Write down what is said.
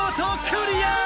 クリアー！